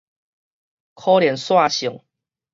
可連紲性